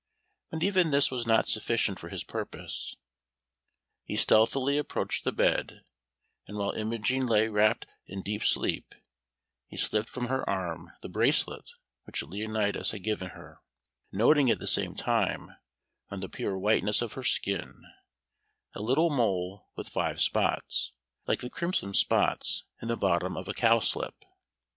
But even this was not sufficient for his purpose. He stealthily approached the bed, and while Imogen lay wrapt in deep sleep, he slipped from her arm the bracelet which Leonatus had given her, noting at the same time, on the pure whiteness of her skin, a little mole with five spots, like the crimson spots in the bottom of a cowslip.